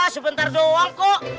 sebentar doang kok